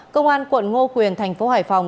công an quận ngo quyền thành phố hải phòng